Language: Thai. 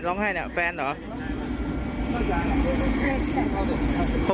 ร้องไห้เนี่ยแฟนเหรอ